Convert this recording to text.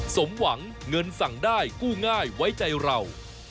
สมหวังเงินสั่งได้กู้ง่ายไว้ใจเรา